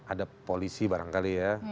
ada polisi barangkali ya